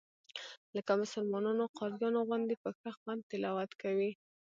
لکه مسلمانانو قاریانو غوندې په ښه خوند تلاوت کوي.